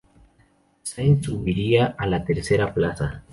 Sainz subiría a la tercera plaza.